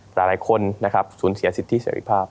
หลายคนศูนย์เสียสิทธิ์เสียวิภาพ